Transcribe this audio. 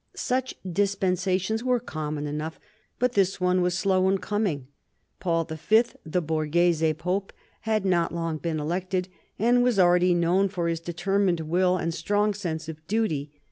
Such dispensations were common enough, but this one was slow in coming. Paul V., the Borghese Pope, had not long been elected, but was already known for his determined will and strong sense of duty.